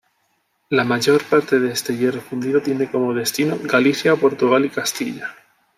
La mayor parte de este hierro fundido tiene como destino: Galicia, Portugal y Castilla.